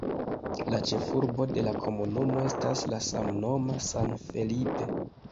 La ĉefurbo de la komunumo estas la samnoma San Felipe.